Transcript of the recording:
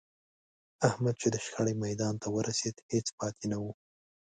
احمد چې د شخړې میدان ته ورسېد، هېڅ پاتې نه و.